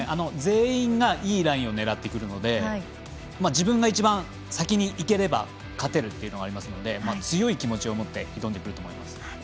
全員がいいラインを狙ってくるので自分が一番先にいければ勝てるっていうのはありますので強い気持ちを持って挑んでくると思います。